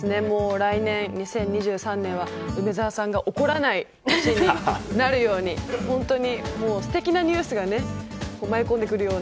来年、２０２３年は梅沢さんが怒らない年になるように、素敵なニュースが舞い込んでくるような。